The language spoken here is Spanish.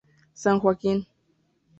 San Joaquín.